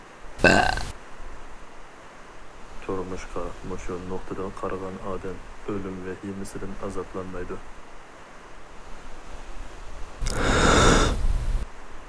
تۇرمۇشقا مۇشۇ نۇقتىدىن قارىغان ئادەم ئۆلۈم ۋەھىمىسىدىن ئازابلانمايدۇ.